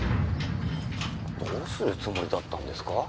どうするつもりだったんですか？